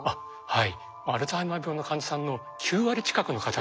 はい。